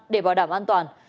để bảo đảm an toàn